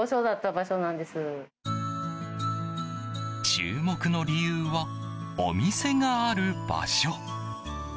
注目の理由はお店がある場所。